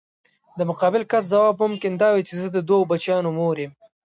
د مقابل کس ځواب ممکن دا وي چې زه د دوه بچیانو مور یم.